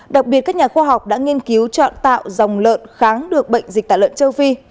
đặc biệt các nhà khoa học đã nghiên cứu chọn tạo dòng lợn kháng được bệnh dịch tả lợn châu phi